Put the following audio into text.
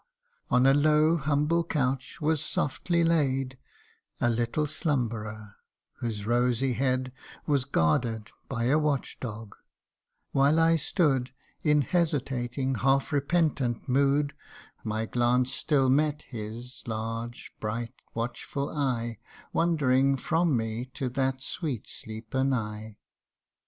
On a low humble couch was softly laid A little slumberer, whose rosy head Was guarded by a watch dog ; while I stood In hesitating, half repentant mood, My glance still met his large, bright, watchful eye, Wandering from me to that sweet sleeper nigh.